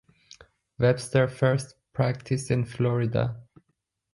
Webster first practised in Florida.